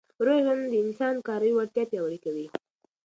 روغ ژوند د انسان کاري وړتیا پیاوړې کوي.